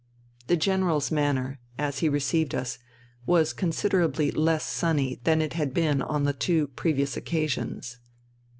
The General's manner, as he received us, was con siderably less sunny than it had been on the two previous occasions.